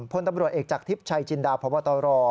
พลตำรวจเอกจากทิพย์ชัยจินดาพบตร